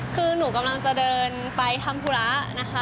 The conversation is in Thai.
คือหนูกำลังจะเดินไปทำธุระนะคะ